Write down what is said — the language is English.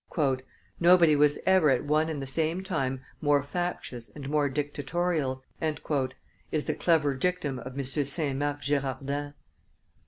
"Nobody was ever at one and the same time more factious and more dictatorial," is the clever dictum of M. Saint Marc Girardin.